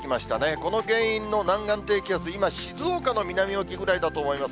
この原因の南岸低気圧、今、静岡の南沖ぐらいだと思います。